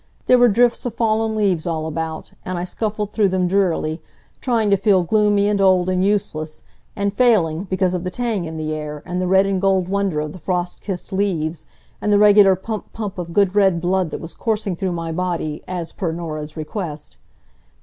There were drifts of fallen leaves all about, and I scuffled through them drearily, trying to feel gloomy, and old, and useless, and failing because of the tang in the air, and the red and gold wonder of the frost kissed leaves, and the regular pump pump of good red blood that was coursing through my body as per Norah's request.